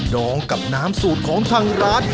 น้องกับน้ำสูตรของทางร้าน